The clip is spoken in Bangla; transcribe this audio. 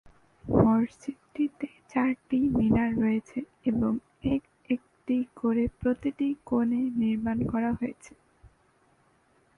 মসজিদটিতে চারটি মিনার রয়েছে এবং এক একটি করে প্রতিটি কোণে নির্মাণ করা হয়েছে।